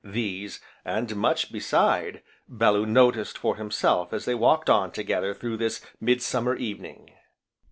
These, and much beside, Bellew noticed for himself as they walked on together through this midsummer evening....